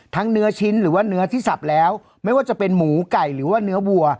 เนื้อชิ้นหรือว่าเนื้อที่สับแล้วไม่ว่าจะเป็นหมูไก่หรือว่าเนื้อวัว